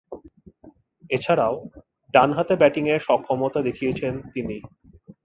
এছাড়াও, ডানহাতে ব্যাটিংয়ে সক্ষমতা দেখিয়েছেন তিনি।